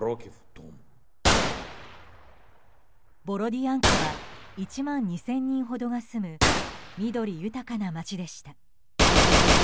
ボロディアンカは１万２０００人ほどが住む緑豊かな街でした。